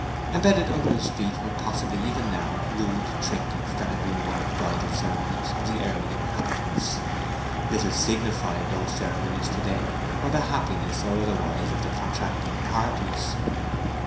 Embedded under his feet were possibly even now rude trinkets that had been worn at bridal ceremonies of the early inhabitants. Little signified those ceremonies to day, or the happiness or otherwise of the contracting parties.